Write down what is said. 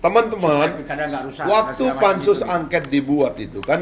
teman teman waktu pansus angket dibuat itu kan